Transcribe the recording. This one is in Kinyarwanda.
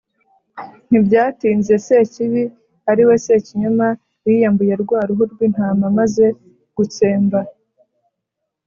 Ntibyatinze, bene Sekibi ariwe Sekinyoma biyambuye rwa ruhu rw'Intama maze gutsemba